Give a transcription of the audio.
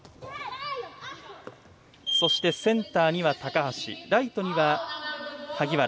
センターには高橋ライトに萩原。